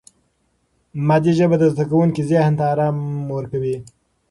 مادي ژبه د زده کوونکي ذهن ته آرام ورکوي.